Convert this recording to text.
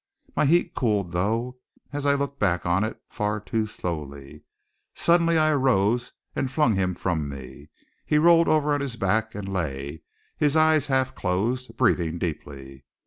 My heat cooled, though, as I look back on it, far too slowly. Suddenly I arose and flung him from me. He rolled over on his back, and lay, his eyes half closed, breathing deeply.